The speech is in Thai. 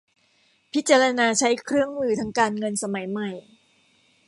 พิจารณาใช้เครื่องมือทางการเงินสมัยใหม่